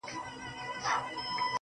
د کلي سپی یې، د کلي خان دی.